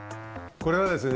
これはですね